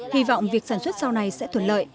hy vọng việc sản xuất sau này sẽ thuận lợi